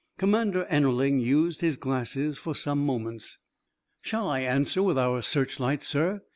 Commander Ennerling used his glasses for some moments. "Shall I answer with our searchlight, sir?"